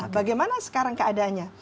bagaimana sekarang keadanya